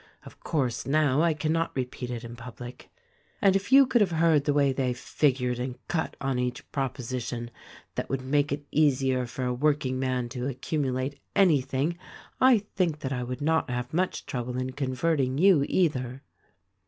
Of course, now, I cannot repeat it in public. 232 THE RECORDING ANGEL 233 "And if you could have heard the way they figured and cut on each proposition that would make it easier for a workingman to accumulate anything, I think that I would not have much trouble in converting you either."